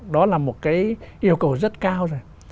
đó là một cái yêu cầu rất cao rồi